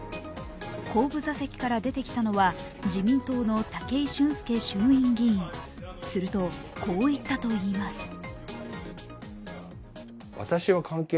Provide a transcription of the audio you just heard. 後部座席から出てきたのは自民党の武井俊輔衆院議員すると、こう言ったといいます。